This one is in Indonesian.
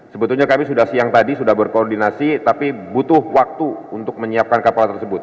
sebetulnya kami sudah siang tadi sudah berkoordinasi tapi butuh waktu untuk menyiapkan kapal tersebut